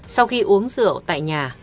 sau khi uống rượu tại nhà